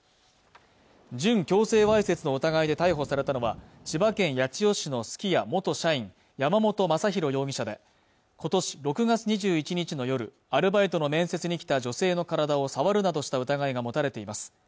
準強制わいせつの疑いで逮捕されたのは千葉県八千代市のすき家元社員山本将寛容疑者で今年６月２１日の夜アルバイトの面接に来た女性の体を触るなどした疑いが持たれています